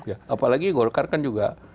ya apalagi golkar kan juga